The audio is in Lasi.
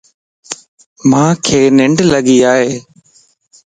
مانک ننڊ لڳي ائي